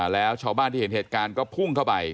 แล้วชาวบ้านที่เห็นเหตุการณ์ก็พุ่งเข้าไป